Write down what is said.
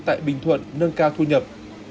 tại bình thuận nâng cao thu nhập